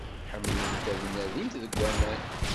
Ḥemmlent ad nadint deg aman.